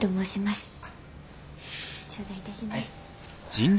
頂戴いたします。